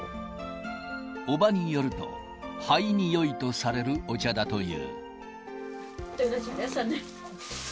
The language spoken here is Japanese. おばによると、肺によいとされるお茶だという。